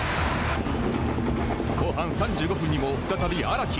後半３５分にも再び荒木。